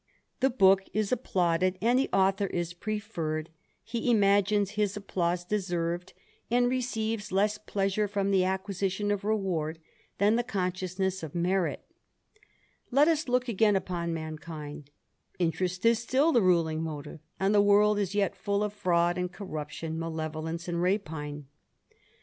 The book is applauded, and the author is preferred ; he imagines his applause deserved, and receives less pleasure from the acquisition of reward than the con sciousness of merit Let us look again upon mankind: interest is still the ruling motive, and the world is yet full of feud and corruption, malevolence and rapine.